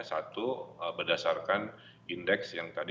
satu berdasarkan indeks yang tadi